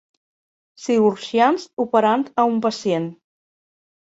Cirurgians operant a un pacient